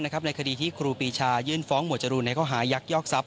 ในคดีที่ครูปีชายื่นฟ้องหมวดจรูนในข้อหายักยอกทรัพย